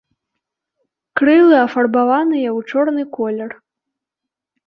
Крылы афарбаваныя ў чорны колер.